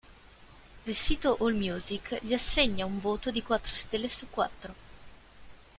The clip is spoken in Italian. Il sito AllMusic gli assegna un voto di quattro stelle su quattro.